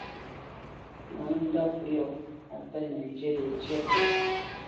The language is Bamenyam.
Ŋo ndɔ́p yɔ̂ á pɛ́nǝ zhǝ yecǝ́.